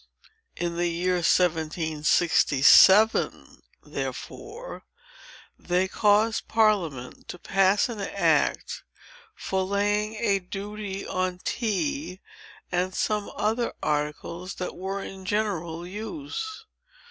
In the year 1767, therefore, they caused Parliament to pass an act for laying a duty on tea, and some other articles that were in general use.